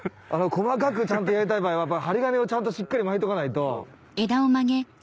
細かくちゃんとやりたい場合は針金をちゃんとしっかり巻いとかないと。